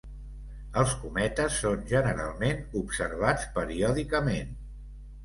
Els cometes són generalment observats periòdicament.